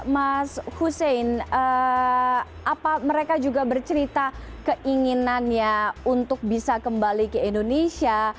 mas hussein apa mereka juga bercerita keinginannya untuk bisa kembali ke indonesia